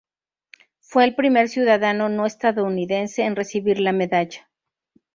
Fue el primer ciudadano no estadounidense en recibir la medalla.